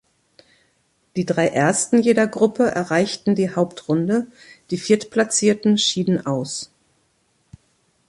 Die drei Ersten jeder Gruppe erreichten die Hauptrunde, die Viertplatzierten schieden aus.